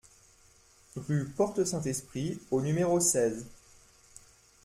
Rue Porte Saint-Esprit au numéro seize